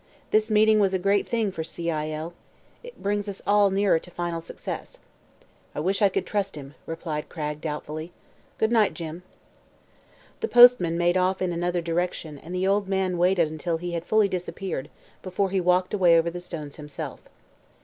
This meeting was a great thing for C. I. L. It brings us all nearer to final success." "I wish I could trust him," replied Cragg, doubtfully. "Good night, Jim." The postman made off in another direction and the old man waited until he had fully disappeared before he walked away over the stones himself.